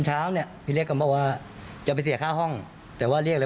ถ้าพอเห็นกลิ่นอะไรเอามาผนวกกับอีกทีแบบเห็นเงาเลยมั้ย